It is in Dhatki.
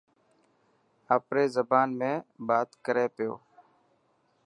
آپري زبان ۾ بات ڪري پيو.